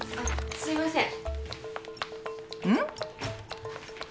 すいません